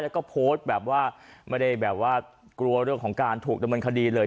แล้วก็โพสต์แบบว่าไม่ได้แบบว่ากลัวเรื่องของการถูกดำเนินคดีเลย